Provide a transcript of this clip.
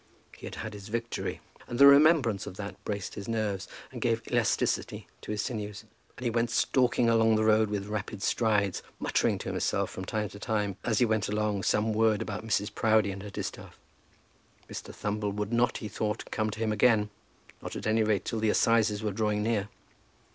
He had had his victory, and the remembrance of that braced his nerves and gave elasticity to his sinews, and he went stalking along the road with rapid strides, muttering to himself from time to time as he went along some word about Mrs. Proudie and her distaff. Mr. Thumble would not, he thought, come to him again, not, at any rate, till the assizes were drawing near.